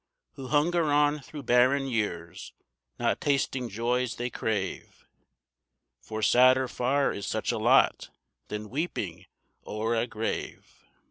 Who hunger on through barren years not tasting joys they crave, For sadder far is such a lot than weeping o'er a grave.